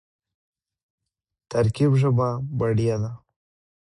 ترکیب ژبه بډایه کوي.